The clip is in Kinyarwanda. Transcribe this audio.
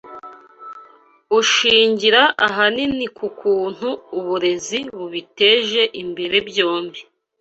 ushingira ahanini ku kuntu uburezi bubiteje imbere byombi